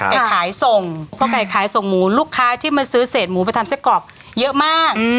ไก่ขายส่งเพราะไก่ขายส่งหมูลูกค้าที่มาซื้อเศษหมูไปทำไส้กรอกเยอะมาก